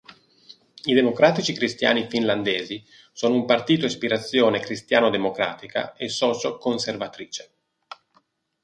I Democratici Cristiani Finlandesi sono un partito a ispirazione cristiano-democratica e socio-conservatrice.